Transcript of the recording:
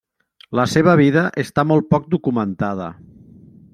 La seva vida està molt poc documentada.